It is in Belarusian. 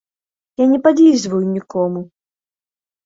Я не падлізваю нікому!